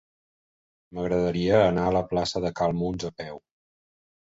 M'agradaria anar a la plaça de Cal Muns a peu.